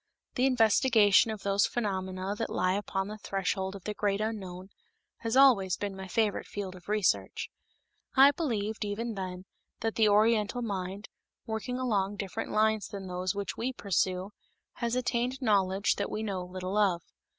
The investigation of those phenomena that lie upon the threshold of the great unknown has always been my favorite field of research. I believed, even then, that the Oriental mind, working along different lines than those which we pursue, has attained knowledge that we know little of.